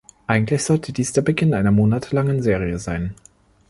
Eigentlich sollte dies der Beginn einer monatelangen Serie sein.